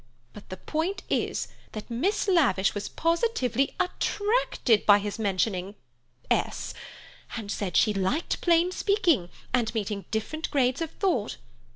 But the point is that Miss Lavish was positively attracted by his mentioning S., and said she liked plain speaking, and meeting different grades of thought.